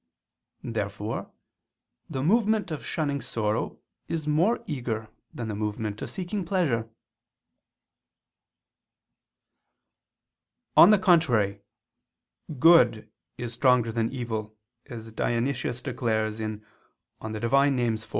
Therefore the movement of shunning sorrow is more eager than the movement of seeking pleasure. On the contrary, Good is stronger than evil, as Dionysius declares (Div. Nom. iv).